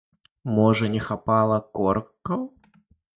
Можа, не хапала коркаў?